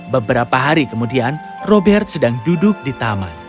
beberapa hari kemudian robert sedang duduk di taman